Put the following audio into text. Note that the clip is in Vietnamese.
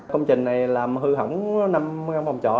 công trình này làm hư hỏng năm mươi phòng trọ